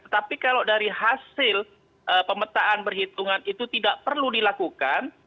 tapi kalau dari hasil pemetaan perhitungan itu tidak perlu dilakukan